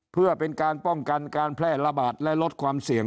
เพื่อเป็นการป้องกันการแพร่ระบาดและลดความเสี่ยง